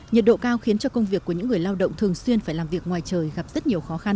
nhiệt độ cao khiến cho công việc của những người lao động thường xuyên phải làm việc ngoài trời gặp rất nhiều khó khăn